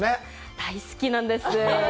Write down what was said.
大好きなんです。